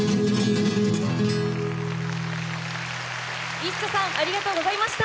ＩＳＳＡさんありがとうございました。